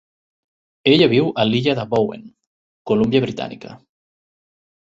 Ella viu a l"Illa de Bowen, Columbia Britànica